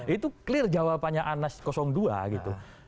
itu clear jawabannya anas dua gitu